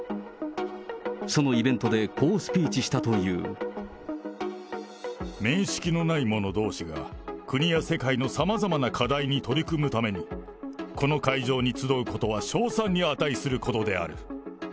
そのイベントでこうスピーチした面識のない者どうしが、国や世界のさまざまな課題に取り組むために、この会場に集うことは称賛に値することである。